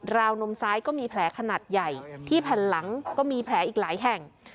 วนมซ้ายก็มีแผลขนาดใหญ่ที่แผ่นหลังก็มีแผลอีกหลายแห่ง